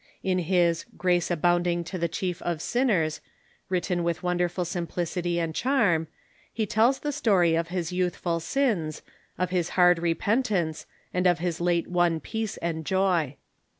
In his " Grace Abound ing to the Chief of Sinners," written with wonderful simplic ity and charm, he tells the story of his youthful sins, of his hard repentance, and of his late won peace and joy.